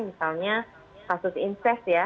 misalnya kasus incest ya